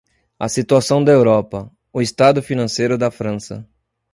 A situação da Europa - O estado financeiro da França